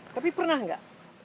tapi pernah nggak